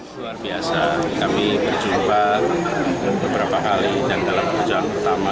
luar biasa kami berjumpa beberapa kali dan dalam keputusan pertama